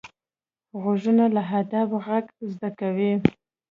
غوږونه له ادب غږ زده کوي